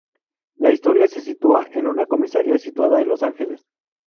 La historia se sitúa en una comisaría situada en Los Ángeles.